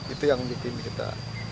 itu yang bikin kita